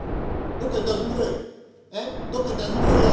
「どっかへ行って遊んでこいよ」。